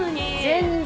全然。